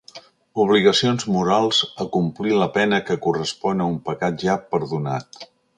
Obligacions morals a complir la pena que correspon a un pecat ja perdonat.